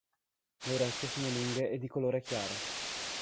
Le orecchie sono lunghe e di colore chiaro.